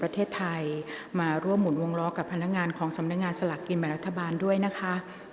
ประเทศไทยมาร่วมหมุนวงล้อกับพนักงานของสำนักงานสลากกินแบ่งรัฐบาลด้วยนะคะ